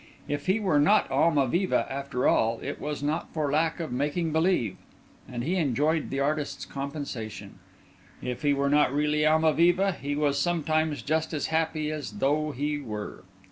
If he were not Almaviva after all, it was not for lack of making believe. And he enjoyed the artist's compensation. If he were not really Almaviva, he was sometimes just as happy as though he were.